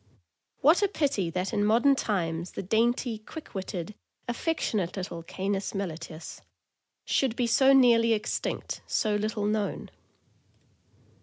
What a pity that in modern times the dainty, quick witted, affectionate little Canis Melitceus should be so nearly extinct, so little known.